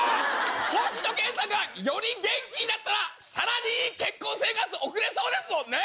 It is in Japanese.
星野源さんがより元気になったら更にいい結婚生活送れそうですもんね！